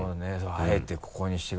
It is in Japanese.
あえてここにしてくれて。